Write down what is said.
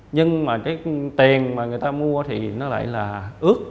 nhưng mà cái tiền mà người ta mua thì nó lại là ước